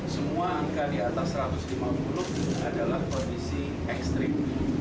semua angka di atas satu ratus lima puluh adalah kondisi ekstrim